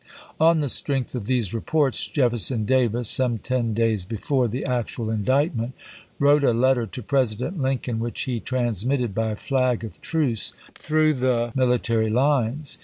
On the strength of these reports, Jefferson Davis, some ten days before the actual indictment, wrote a letter to President Lincoln, which he transmitted by flag of truce through the military lines.